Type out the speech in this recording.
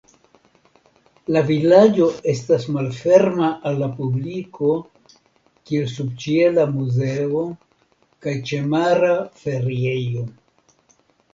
La vilaĝo estas malferma al la publiko kiel subĉiela muzeo kaj ĉemara feriejo.